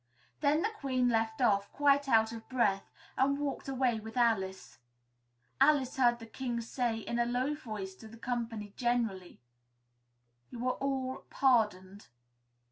Then the Queen left off, quite out of breath, and walked away with Alice. Alice heard the King say in a low voice to the company generally, "You are all pardoned."